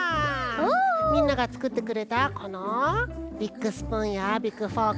みんながつくってくれたこのビッグスプーンやビッグフォークね